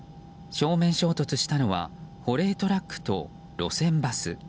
正面衝突したのは保冷トラックと路線バス。